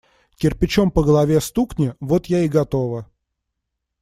Кирпичом по голове стукни – вот я и готова.